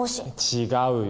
違うよ。